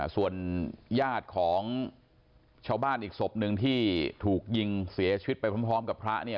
ส่วนญาติของชาวบ้านอีกศพหนึ่งที่ถูกยิงเสียชีวิตไปพร้อมกับพระเนี่ย